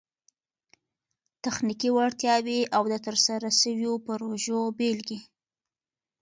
تخنیکي وړتیاوي او د ترسره سوو پروژو بيلګي